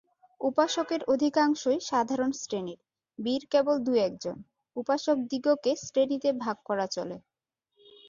উপাসকের অধিকাংশই সাধারণ শ্রেণীর, বীর কেবল দু-একজন, উপাসকদিগকে শ্রেণীতে ভাগ করা চলে।